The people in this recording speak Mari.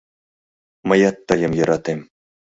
— Мыят тыйым йӧратем...